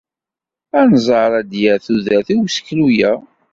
Anẓar ad d-yerr tudert i useklu-a.